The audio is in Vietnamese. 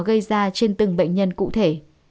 gây ra trên từng bệnh nhân cụ thể